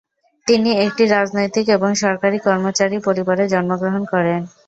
তিনি একটি রাজনৈতিক এবং সরকারী কর্মচারী পরিবারে জন্মগ্রহণ করেন।